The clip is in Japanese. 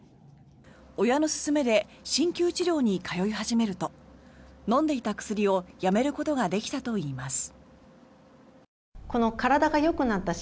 親の勧めで鍼灸治療に通い始めると飲んでいた薬をやめることができたといいます。